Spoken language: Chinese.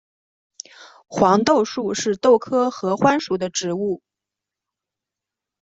黄豆树是豆科合欢属的植物。